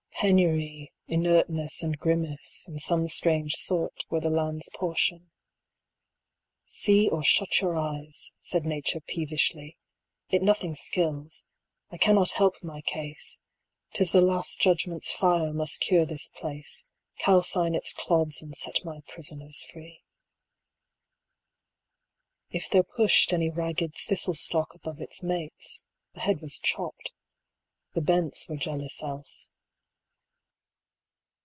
penury, inertness, and grimace, In some strange sort, were the land's portion. "See Or shut your eyes," said Nature peevishly, "It nothing skills; I cannot help my case; 'Tis the Last Judgment's fire must cure this place, 65 Calcine its clods and set my prisoners free." If there pushed any ragged thistle stalk Above its mates, the head was chopped; the bents Were jealous else.